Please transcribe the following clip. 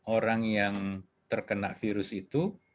orang yang terkena virus itu